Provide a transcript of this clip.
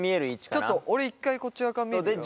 ちょっと俺１回こっち側から見るよ。